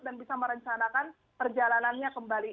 dan bisa merencanakan perjalanannya kembali